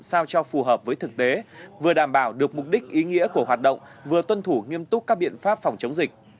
sao cho phù hợp với thực tế vừa đảm bảo được mục đích ý nghĩa của hoạt động vừa tuân thủ nghiêm túc các biện pháp phòng chống dịch